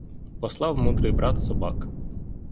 Послав мудрий брат собак.